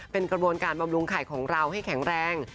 เป็นกระบวนการบำรุงไข่ของเราให้แข็งแรง